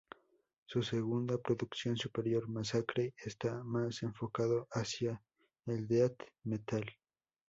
Su segunda producción, "Superior Massacre" esta más enfocado hacia el death metal.